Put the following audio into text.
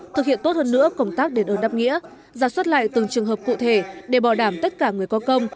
thực hiện tốt hơn nữa công tác đền ơn đáp nghĩa giả xuất lại từng trường hợp cụ thể để bảo đảm tất cả người có công